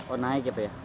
oh naik ya pak ya